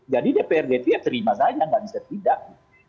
jadi dprd itu ya terima saja tidak bisa tidak